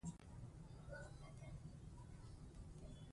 خدمت د ټولنې ګډ مسؤلیت دی.